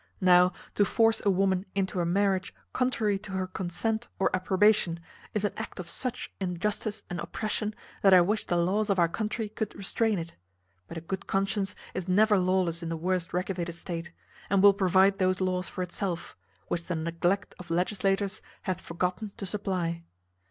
Now to force a woman into a marriage contrary to her consent or approbation, is an act of such injustice and oppression, that I wish the laws of our country could restrain it; but a good conscience is never lawless in the worst regulated state, and will provide those laws for itself, which the neglect of legislators hath forgotten to supply.